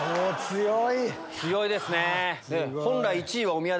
強いですね。